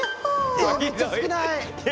えめっちゃ少ない。